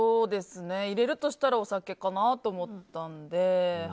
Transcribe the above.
入れるとしたらお酒かなと思ったんで。